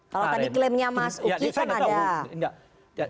kalau tadi klaimnya mas uki kan ada